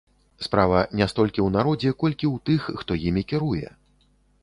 Справа не столькі ў народзе, колькі ў тых, хто імі кіруе.